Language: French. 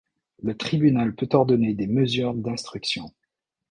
Le tribunal peut ordonner des mesures d'instruction.